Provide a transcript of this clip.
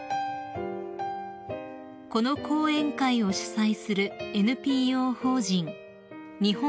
［この講演会を主催するＮＰＯ法人日本